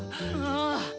ああ！